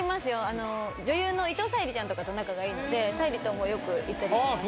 あの女優の伊藤沙莉ちゃんとかと仲がいいので沙莉ともよく行ったりします